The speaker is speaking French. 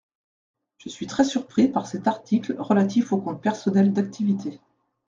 Je suis très surpris par cet article relatif au compte personnel d’activité.